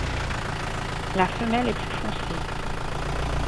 La femelle est plus foncée.